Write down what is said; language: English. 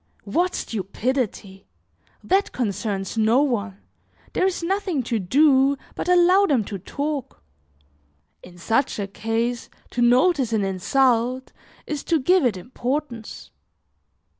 What stupidity! that concerns no one, there is nothing to do but allow them to talk; in such a case, to notice an insult is to give it importance.